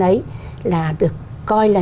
ấy là được coi là